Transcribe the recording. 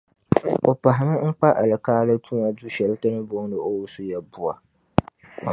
O pahimi n kpa Alikaali tuma duu shɛli ti ni booni Owusu-Yeboah.